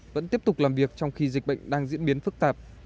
vẫn tiếp tục làm việc trong khi dịch bệnh đang diễn biến phức tạp